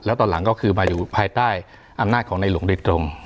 แล้วตอนหลังก็คือมาอยู่ภายใต้อำนาจของในหลวงโดยตรง